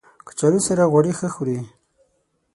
کچالو سره غوړي ښه خوري